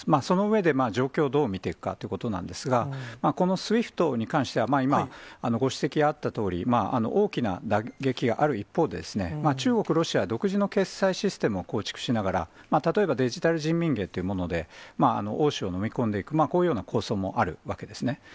その上で、状況をどう見ていくかということなんですが、このＳＷＩＦＴに関しては、今、ご指摘あったとおり、大きな打撃がある一方で、中国、ロシア独自の決済システムを構築しながら、例えばデジタル人民元というもので、欧州を飲み込んでいく、こういうような構想もあるわけですね。